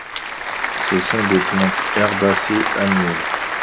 Ce sont des plantes herbacées annuelles.